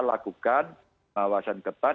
lakukan awasan ketat